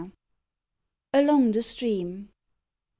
ALONG THE STREAM.